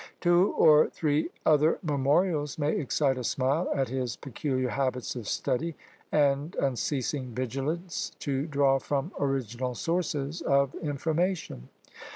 Two or three other memorials may excite a smile at his peculiar habits of study, and unceasing vigilance to draw from original sources of information.